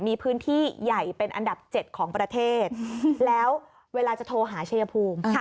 มีพื้นที่ใหญ่เป็นอันดับ๗ของประเทศแล้วเวลาจะโทรหาชัยภูมิ